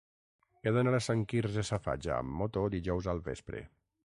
He d'anar a Sant Quirze Safaja amb moto dijous al vespre.